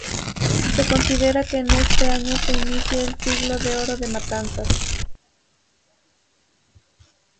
Se considera que en este año se inicia el Siglo de Oro de Matanzas.